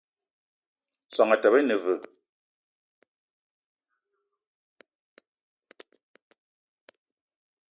Soan etaba ine veu?